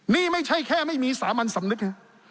นี่ไม่ใช่แค่ไม่มีสามอันสนึกนะฮะ